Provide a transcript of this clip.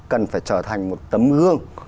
cần phải trở thành một tấm gương